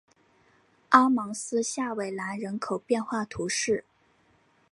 阿芒斯下韦兰人口变化图示